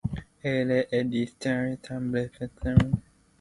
I el dissabte també s'ha suspès el mercat setmanal